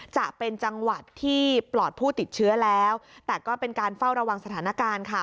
จะเป็นจังหวัดที่ปลอดผู้ติดเชื้อแล้วแต่ก็เป็นการเฝ้าระวังสถานการณ์ค่ะ